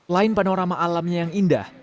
lain panorama alamnya yang indah